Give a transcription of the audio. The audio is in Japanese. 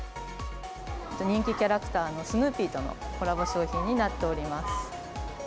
人気キャラクターのスヌーピーとのコラボ商品になっております。